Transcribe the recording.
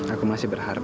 aku masih berharap